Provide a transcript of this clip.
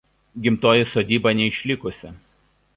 Gimtoji sodyba neišlikusi.